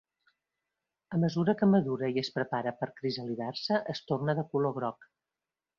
A mesura que madura i es prepara per crisalidar-se, es torna de color groc.